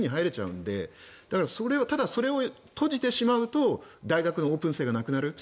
それを閉じてしまうと大学のオープン性がなくなる。